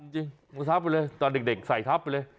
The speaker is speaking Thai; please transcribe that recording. จริงตอนเด็กใส่ทับไปเลย